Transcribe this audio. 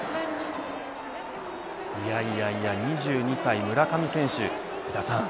いやいやいや２２歳、村上選手